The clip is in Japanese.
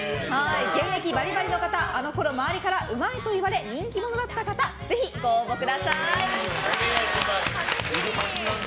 現役バリバリの方あのころ周りからうまいといわれ人気者だった方ぜひご応募ください。